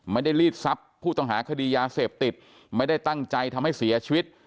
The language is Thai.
ลีดทรัพย์ผู้ต้องหาคดียาเสพติดไม่ได้ตั้งใจทำให้เสียชีวิต